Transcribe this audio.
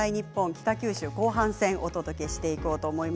北九州後半戦をお届けします。